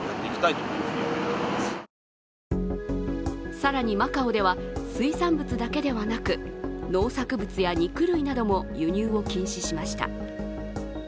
更にマカオでは、水産物だけではなく農作物や肉類なども輸入を禁止しました。